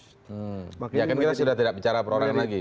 ya kan kita sudah tidak bicara perorangan lagi